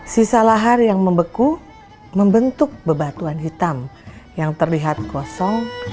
sisa lahar yang membeku membentuk bebatuan hitam yang terlihat kosong